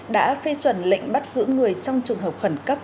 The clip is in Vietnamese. đã phê chuẩn lệnh bắt giữ người trong trường hợp khẩn cấp